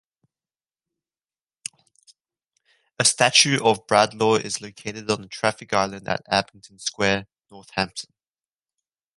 A statue of Bradlaugh is located on a traffic island at Abington Square, Northampton.